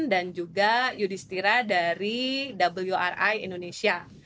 dan juga yudistira dari wri indonesia